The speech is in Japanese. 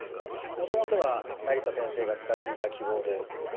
もともとは成田先生が使っていた記号で。